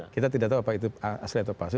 kita tidak tahu apa itu asli atau palsu